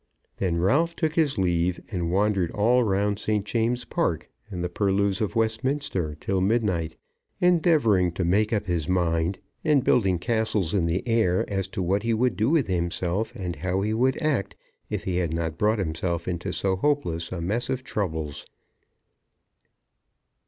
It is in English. Then Ralph took his leave, and wandered all round St. James's Park and the purlieus of Westminster till midnight, endeavouring to make up his mind, and building castles in the air, as to what he would do with himself, and how he would act, if he had not brought himself into so hopeless a mess of troubles.